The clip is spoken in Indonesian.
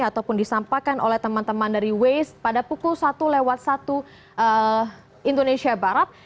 ataupun disampakan oleh teman teman dari waze pada pukul satu lewat satu indonesia barat